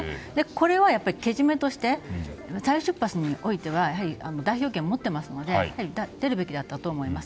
これは、けじめとして再出発においては代表権を持っていますので出るべきだったと思います。